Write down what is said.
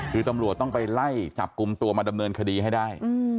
คือตำรวจต้องไปไล่จับกลุ่มตัวมาดำเนินคดีให้ได้